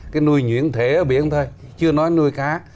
cái nuôi nhuyễn thể ở biển thôi chưa nói nuôi cá